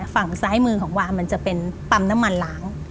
ฝั่งซ้ายมือของวามันจะเป็นปั๊มน้ำมันล้าง